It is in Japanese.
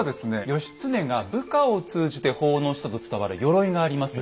義経が部下を通じて奉納したと伝わる鎧があります。